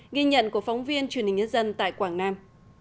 ghi nhận của phóng viên truyền hình nhân dân tại quảng nam